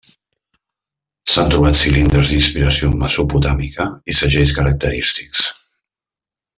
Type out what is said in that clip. S'han trobat cilindres d'inspiració mesopotàmica i segells característics.